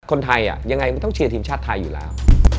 คนไทยยังไงก็ต้องเชียร์ทีมชาติไทยอยู่แล้ว